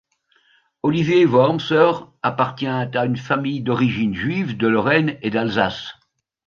Olivier Wormser appartient à une famille d’origine juive de Lorraine et d’Alsace.